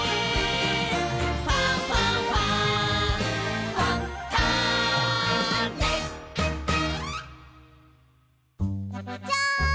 「ファンファンファン」ジャン！